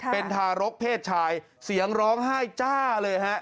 เป็นทารกเพศชายเสียงร้องไห้จ้าเลยฮะ